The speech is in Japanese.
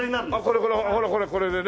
これこれほらこれこれでね。